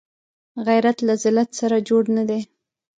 غیرت له ذلت سره جوړ نه دی